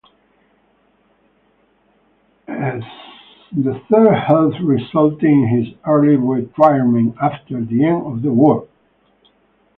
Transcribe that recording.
Ill health resulted in his early retirement after the end of the war.